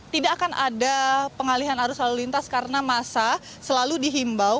tidak akan ada pengalihan arus lalu lintas karena masa selalu dihimbau